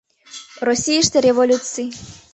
— Российыште революций...